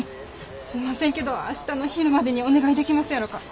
すいませんけど明日の昼までにお願いできますやろか。